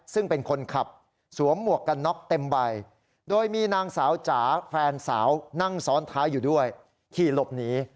ซึ่งเป็นคนขับสวมหมวกกันน็อกเต็มใบโดยมีนางสาวจ๋าแฟนสาวนั่งซ้อนท้ายอยู่ด้วยขี่หลบหนี